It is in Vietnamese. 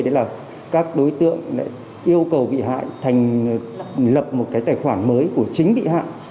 đấy là các đối tượng yêu cầu bị hại thành lập một tài khoản mới của chính bị hại